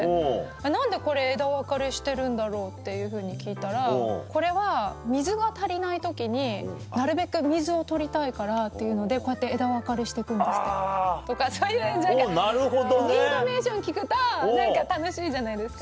「何でこれ枝分かれしてるんだろう」っていうふうに聞いたらこれは水が足りない時になるべく水を取りたいからっていうのでこうやって枝分かれして行くんですって。とかそういう何かインフォメーション聞くと何か楽しいじゃないですか。